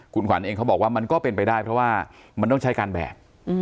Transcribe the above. คุณขวัญเองเขาบอกว่ามันก็เป็นไปได้เพราะว่ามันต้องใช้การแบก